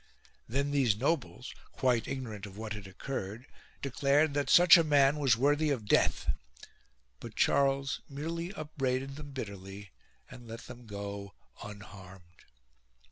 Then these nobles, quite ignorant of what had occurred, declared that such a man was worthy of death. But Charles merely upbraided them bitterly and let them go unharmed.